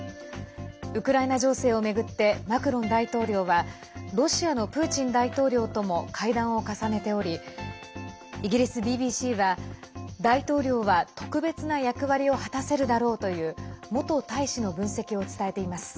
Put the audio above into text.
ウクライナ情勢を巡ってマクロン大統領はロシアのプーチン大統領とも会談を重ねておりイギリスＢＢＣは大統領は特別な役割を果たせるだろうという元大使の分析を伝えています。